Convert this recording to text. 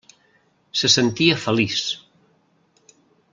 Se sentia feliç.